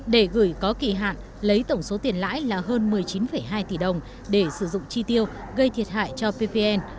để gửi có kỳ hạn lấy tổng số tiền lãi là hơn một mươi chín hai tỷ đồng để sử dụng chi tiêu gây thiệt hại cho pvn